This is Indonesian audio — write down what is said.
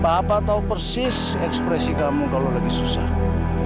bapak tahu persis ekspresi kamu kalau lagi susah